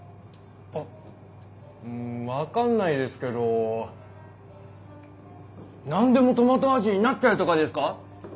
あっうん分かんないですけど何でもトマト味になっちゃうとかですか？